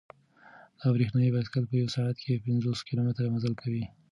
دا برېښنايي بایسکل په یوه ساعت کې پنځوس کیلومتره مزل کوي.